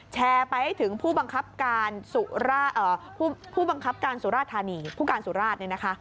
แชร์ไปให้ถึงผู้บังคับการสุราธารณีผู้การสุราชน์